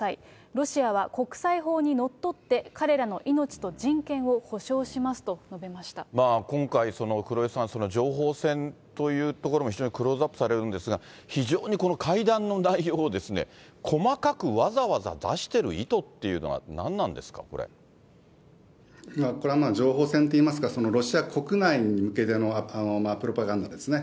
ロシアは国際法にのっとって彼らの命と人権を保証しますと述べま今回、黒井さん、その情報戦というところも非常にクローズアップされるんですが、非常にこの会談の内容を細かくわざわざ出してる意図っていうのは何なんですこれはまあ情報戦といいますか、ロシア国内に向けてのプロパガンダですね。